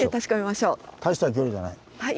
大した距離じゃない。